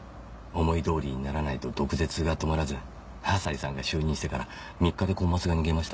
思い通りにならないと毒舌が止まらず朝陽さんが就任してから３日でコンマスが逃げました。